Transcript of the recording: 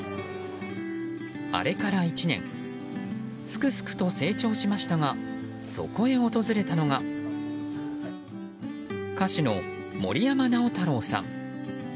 あれから１年すくすくと成長しましたがそこへ訪れたのが歌手の森山直太朗さん。